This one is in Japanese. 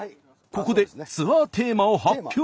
ここでツアーテーマを発表！